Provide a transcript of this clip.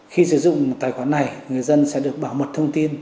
khi sử dụng tài khoản này người dân sẽ được bảo mật thông tin